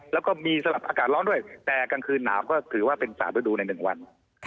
แล้วก็มีสำหรับอากาศร้อนด้วยแต่กลางคืนหนาวก็ถือว่าเป็น๓ฤดูใน๑วัน